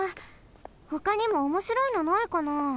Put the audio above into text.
ほかにもおもしろいのないかな？